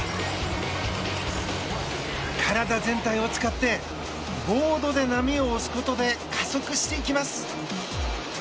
体全体を使って、ボードで波を押すことで加速していきます。